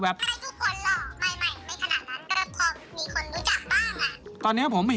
ทำให้ทุกคนหล่อใหม่ไม่ขนาดนั้น